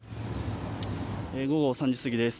午後３時過ぎです。